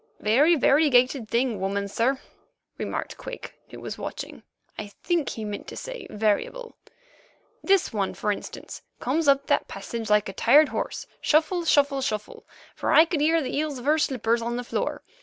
"Very variegated thing, woman, sir," remarked Quick, who was watching. (I think he meant to say "variable.") "This one, for instance, comes up that passage like a tired horse—shuffle, shuffle, shuffle—for I could hear the heels of her slippers on the floor.